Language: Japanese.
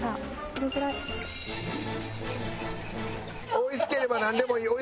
おいしければなんでもいい。